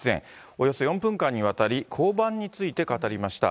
およそ４分間にわたり、降板について語りました。